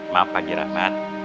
maaf pak haji rahmat